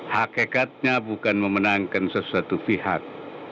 hakikatnya bukan memenangkan sesuatu pihak